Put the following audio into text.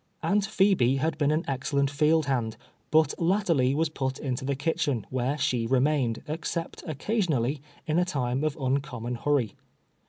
Aunt Phebe had been an excellent field band, but latterly was put into the kitchen, where she remained, except occasionally, in a time of uncommon hurry.